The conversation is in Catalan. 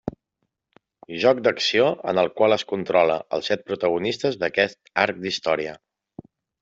Joc d'Acció en el qual es controla als set protagonistes d'aquest arc d'història.